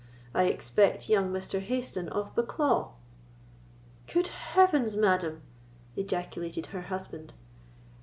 I expect young Mr. Hayston of Bucklaw." "Good heavens, madam!" ejaculated her husband.